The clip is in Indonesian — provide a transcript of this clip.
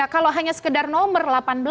kalau hanya sekedar nomor delapan belas